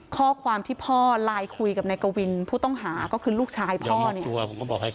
ข้อความที่พ่อไลน์คุยกับนายกวินผู้ต้องหาก็คือลูกชายพ่อเนี่ย